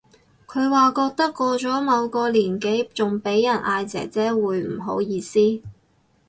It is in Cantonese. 佢話覺得過咗某個年紀仲俾人嗌姐姐會唔好意思